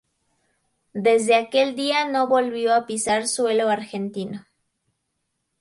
Desde aquel día no volvió a pisar suelo argentino.